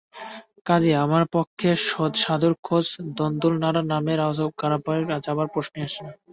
কাজেই আমার পক্ষে সাধুর খোঁজে ধুন্দুল নাড়া নামের অজ পাড়াগায় যাবার প্রশ্নই আসে না।